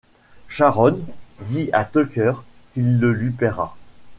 Sharon dit à Tucker qu'il le lui paiera.